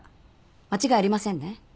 間違いありませんね？